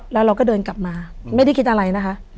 แล้วเราก็เดินกลับมาไม่ได้คิดอะไรนะคะ